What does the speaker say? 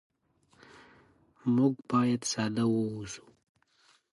موږ باید ساده واوسو.